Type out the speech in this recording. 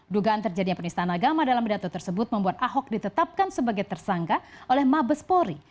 dugaan terjadinya penistaan agama dalam pidato tersebut membuat ahok ditetapkan sebagai tersangka oleh mabes polri